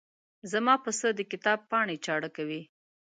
زما پسه د کتاب پاڼې چاړه کوي.